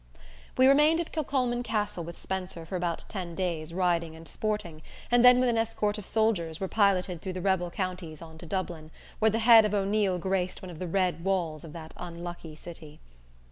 We remained at Kilcolman Castle with Spenser for about ten days riding and sporting, and then with an escort of soldiers, were piloted through the "Rebel" counties on to Dublin, where the head of O'Neil graced one of the "Red" walls of that unlucky city.